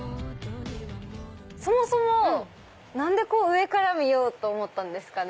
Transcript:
そもそも何で上から見ようと思ったんですかね？